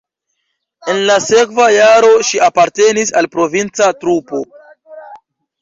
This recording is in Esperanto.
En la sekva jaro ŝi apartenis al provinca trupo.